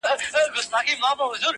كه لاسونه مي پرې كېږي سترگي نه وي؛